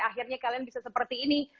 akhirnya kalian bisa seperti ini